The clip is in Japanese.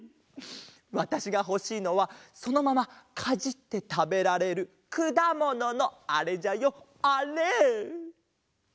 わたしがほしいのはそのままかじってたべられるくだもののあれじゃよあれ！